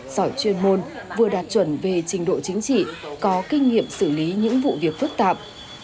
giỏi chuyên môn vừa đạt chuẩn về trình độ chính trị có kinh nghiệm xử lý những vụ việc phức tạp